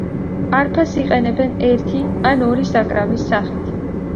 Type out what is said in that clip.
არფას იყენებენ ერთი ან ორი საკრავის სახით.